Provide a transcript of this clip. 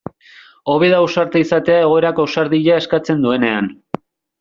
Hobe da ausarta izatea egoerak ausardia eskatzen duenean.